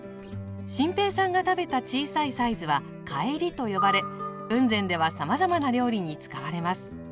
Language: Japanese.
心平さんが食べた小さいサイズは「かえり」と呼ばれ雲仙ではさまざまな料理に使われます。